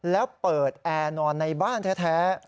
แล้วเปิดแอร์นอนในบ้านแท้